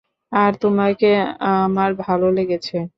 আর তোমাকে আমার ভালো লেগেছে।